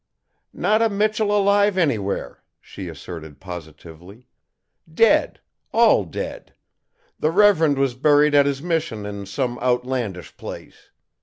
"Not a Michell alive anywhere," she asserted positively. "Dead, all dead! The Rev'rund was buried at his mission in some outlandish place.